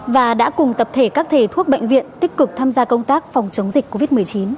và đã cùng tập thể các thầy thuốc bệnh viện tích cực tham gia công tác phòng chống dịch covid một mươi chín